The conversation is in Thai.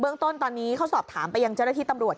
ต้นตอนนี้เขาสอบถามไปยังเจ้าหน้าที่ตำรวจ